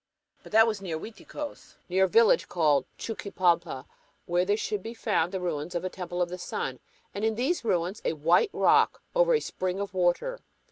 But that was "near" Uiticos and near a village called Chuquipalpa, where should be found the ruins of a Temple of the Sun, and in these ruins a "white rock over a spring of water."